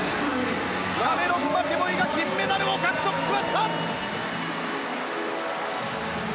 キャメロン・マケボイが金メダルを獲得しました！